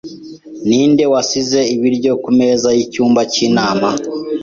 Ninde wasize ibiryo kumeza yicyumba cyinama?